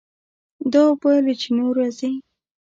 دا اوبه له چینو راځي.